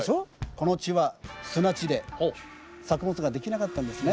この地は砂地で作物ができなかったんですね。